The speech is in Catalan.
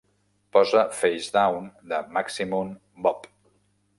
posa "Facedown" de Maximum Bob